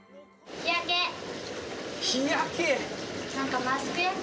日焼け？